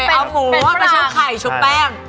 เอาหมูมันจะชอบไข่ชมแป้ง